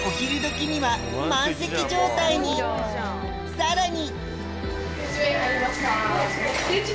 さらに！